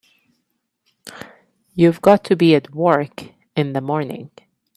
You've got to be at work in the morning.